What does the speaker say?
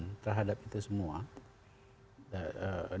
dan pengawasan kami di dpr tentu tidak sampai pada saat ini